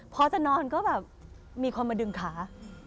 พอจะนอนก็แบบมีคนมาดึงขา